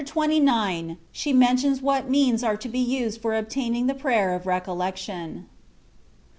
CHAPTER XXIX. SHE MENTIONS WHAT MEANS ARE TO BE USED FOB OBTAINING THE PBATEB OP BECOLLBCTION.